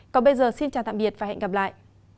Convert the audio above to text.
còn bây giờ xin chào tạm biệt và hẹn gặp lại